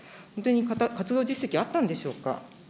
活動実績はあったんでしょうか。